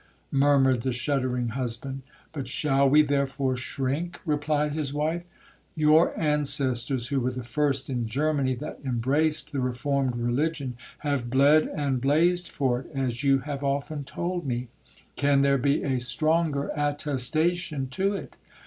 murmured the shuddering husband. 'But shall we therefore shrink?' replied his wife. 'Your ancestors, who were the first in Germany that embraced the reformed religion, have bled and blazed for it, as you have often told me,—can there be a stronger attestation to it?'